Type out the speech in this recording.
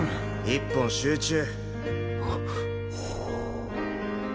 一本集中！